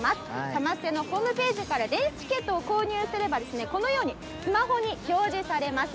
サマステのホームページから電子チケットを購入すればこのようにスマホに表示されます。